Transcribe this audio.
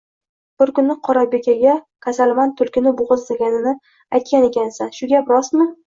– Bir kuni Qorabekaga kasalmand tulkini bo‘g‘izlaganingni aytgan ekansan, shu gap rostmi?